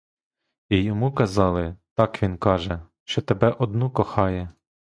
І йому казали, так він каже, що тебе одну кохає.